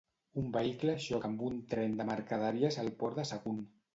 Un vehicle xoca amb un tren de mercaderies al Port de Sagunt.